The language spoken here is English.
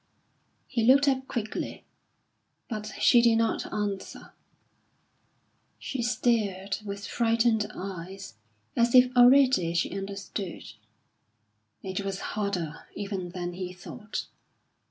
He looked up quickly, but she did not answer. She stared with frightened eyes, as if already she understood. It was harder even than he thought.